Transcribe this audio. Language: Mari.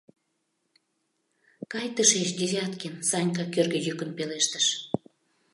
— Кай тышеч, Девяткин, — Санька кӧргӧ йӱкын пелештыш.